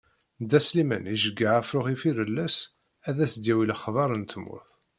Dda Sliman iceyyeɛ afrux ifirelles ad s-d-yawi lexbar n tmurt.